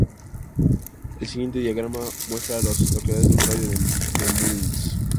El siguiente diagrama muestra a las localidades en un radio de de Mullins.